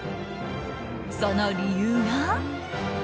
その理由が。